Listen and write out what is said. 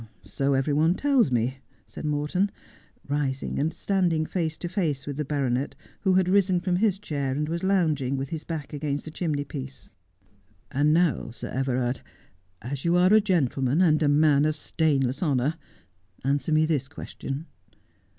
' So every one tells me,' said Morton, rising and standing face to face with the baronet, who had risen from his chair, and was lounging with his back against the chimney piece. 'And now, Sir Everard, as you are a gentleman and a man of stainless honour, answer me this question.